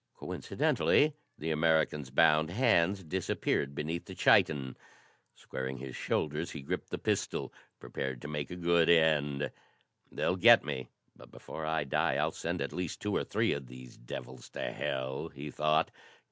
Coincidently, the American's bound hands disappeared beneath the chiton. Squaring his shoulders, he gripped the pistol, prepared to make a good end. "They'll get me, but before I die I'll send at least two or three of these devils to hell," he thought.